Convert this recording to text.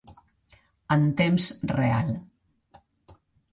En temps real.